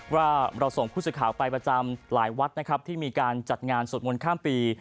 ว่าเราส่งพูดสุข่าวไปประจำหลายวัดที่มีการจัดงานสดมนต์ข้ามปี